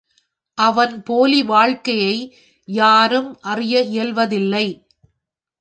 அவன் போலி வாழ்க்கையை யாரும் அறிய இயல்வதில்லை.